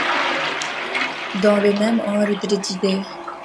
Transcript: Dans le même ordre d'idées.